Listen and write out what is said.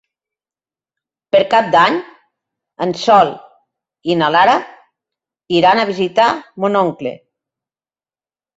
Per Cap d'Any en Sol i na Lara iran a visitar mon oncle.